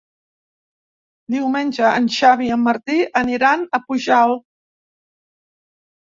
Diumenge en Xavi i en Martí aniran a Pujalt.